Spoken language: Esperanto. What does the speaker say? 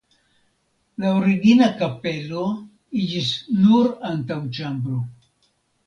La origina kapelo iĝis nur antaŭĉambro.